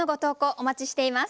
お待ちしています。